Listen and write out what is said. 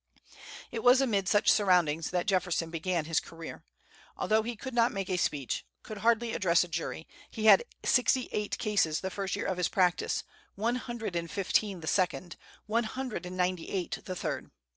It was amid such surroundings that Jefferson began his career. Although he could not make a speech, could hardly address a jury, he had sixty eight cases the first year of his practice, one hundred and fifteen the second, one hundred and ninety eight the third.